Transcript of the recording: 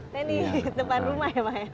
tenis depan rumah ya pak ya